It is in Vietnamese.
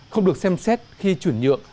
không được xem xét khi chuyển nhượng